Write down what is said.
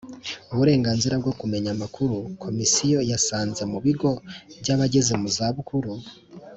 Uburenganzira bwo kumenya amakuru Komisiyo yasanze mu bigo by abageze mu zabukuru